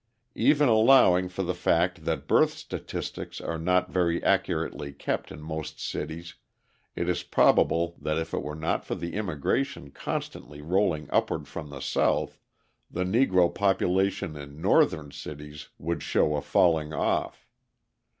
Even allowing for the fact that birth statistics are not very accurately kept in most cities it is probable that if it were not for the immigration constantly rolling upward from the South the Negro population in Northern cities would show a falling off.